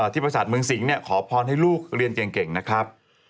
ประสาทเมืองสิงห์ขอพรให้ลูกเรียนเก่งนะครับ